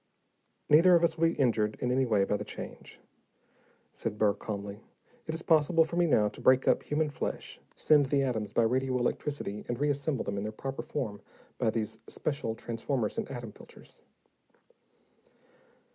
"Neither of us will be injured in any way by the change," said Burr calmly. "It is possible for me now to break up human flesh, send the atoms by radio electricity, and reassemble them in their proper form by these special transformers and atom filters."